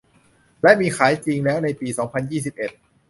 และมีขายจริงแล้วในปี สองพันยี่สิบเอ็ด